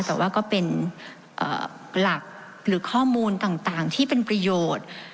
แต่ว่าก็เป็นหลักหรือข้อมูลต่างที่เป็นประโยชน์